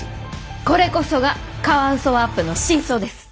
これこそがカワウソワープの真相です。